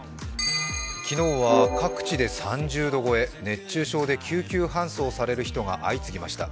昨日は各地で３０度超え熱中症で救急搬送される人が相次ぎました。